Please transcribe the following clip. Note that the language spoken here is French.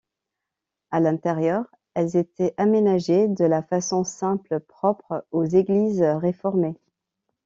À l'intérieur, elles étaient aménagés de la façon simple propre aux églises réformés.